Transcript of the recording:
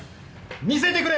見せてくれ！